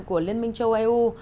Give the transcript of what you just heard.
của liên minh châu âu